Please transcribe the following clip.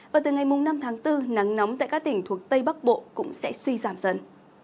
và từ ngày năm tháng bốn nắng nóng tại các tỉnh thuộc tây bắc bộ cũng sẽ suy giảm dần